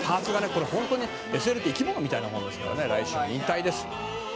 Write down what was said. これ本当にＳＬって生き物みたいなもんですからね来春で引退です。